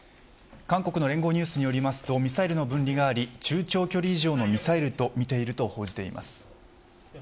韓国の聯合ニュースによりますとミサイルの分離があり中長距離以上のミサイルであると見ていると報じています。